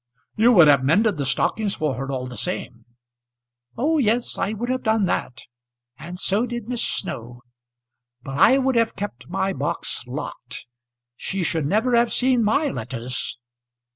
"You would have mended the stockings for her all the same." "O yes, I would have done that; and so did Miss Snow. But I would have kept my box locked. She should never have seen my letters."